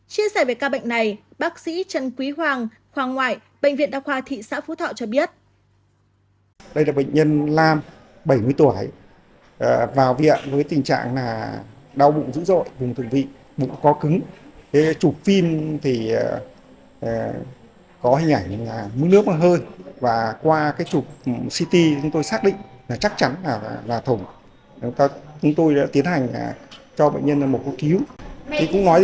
chia sẻ về ca bệnh này bác sĩ trần quý hoàng khoa ngoại bệnh viện đa khoa thị xã phú thọ cho biết